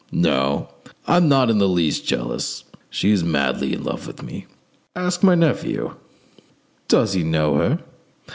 No, I am not in the least jealous; she is madly in love with me. Ask my nephew." "Does he know her?"